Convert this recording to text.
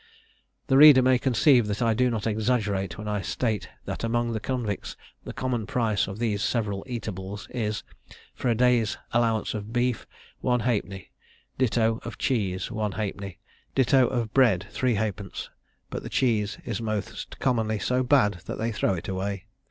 The reader may conceive that I do not exaggerate when I state that among the convicts the common price of these several eatables is, for a day's allowance of beef, one halfpenny; ditto, of cheese, one halfpenny; ditto, of bread, three halfpence; but the cheese is most commonly so bad that they throw it away.